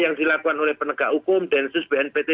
yang dilakukan oleh penegak hukum densus bnpt